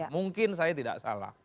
mungkin saya tidak salah